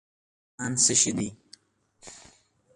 ایمان څه شي دي؟